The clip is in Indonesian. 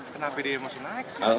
kenapa di emosi naik sih